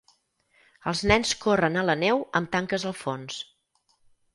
Els nens corren a la neu amb tanques al fons